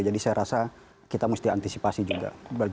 saya rasa kita mesti antisipasi juga